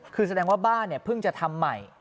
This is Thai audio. คือแสดงว่าบ้านเนี่ยเพิ่งจะทำใหม่